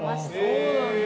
◆そうなんだ。